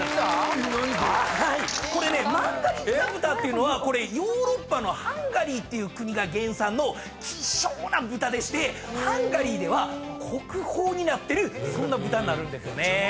これねマンガリッツァ豚っていうのはヨーロッパのハンガリーって国が原産の希少な豚でしてハンガリーでは国宝になってるそんな豚になるんですよね。